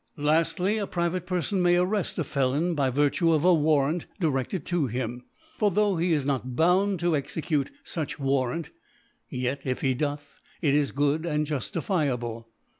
Laftly, A private Perfon may arreft a Felon by Virtue of a Warrant direfted to him : for though he is not bound to exe cute fuch Warrant, yet if he doth, it is good and juftifiable §.